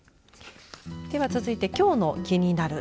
では続いてきょうのキニナル！